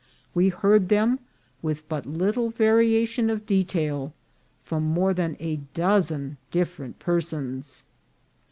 We heard them, with but little variation of detail, from more than a dozen different persons.